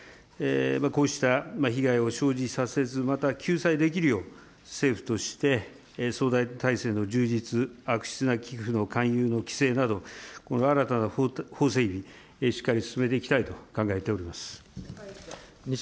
こうした被害を生じさせず、また救済できるよう、政府として相談体制の充実、悪質な寄付の勧誘の規制など、新たな法整備、しっかり進めていきたいと考えております。